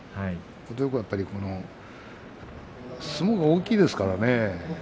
琴恵光、相撲が大きいですからね